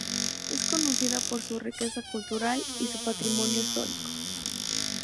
Es conocida por su riqueza cultural y su patrimonio histórico.